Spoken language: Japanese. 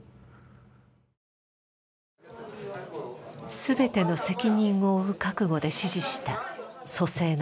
全ての責任を負う覚悟で指示した蘇生の中止。